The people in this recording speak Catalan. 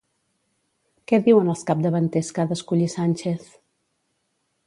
Què diuen els capdavanters que ha d'escollir Sánchez?